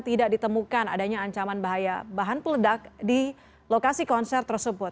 tidak ditemukan adanya ancaman bahaya bahan peledak di lokasi konser tersebut